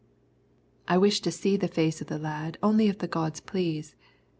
I wish to see the face of the lad only if the gods please.